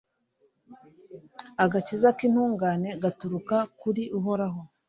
Agakiza k’intungane gaturuka kuri Uhoraho